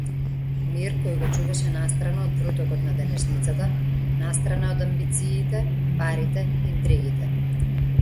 Мир кој го чуваше настрана од врутокот на денешницата, настрана од амбициите, парите, интригите.